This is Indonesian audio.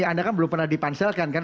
anda kan belum pernah dipanselkan kan